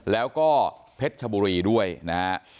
แล้วก็เพชรชบุรีด้วยนะฮะ